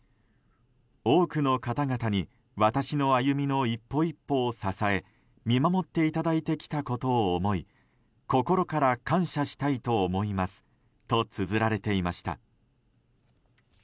多くの方々に私の歩みの一歩一歩を支え見守っていただいてきたことを思い心から感謝したいと思いますとつづられていました。